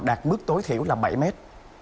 đạt mức tối thiểu là bảy mét